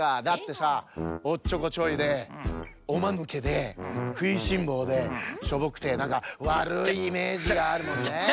だってさおっちょこちょいでおまぬけでくいしんぼうでしょぼくてなんかわるいイメージがあるもんね。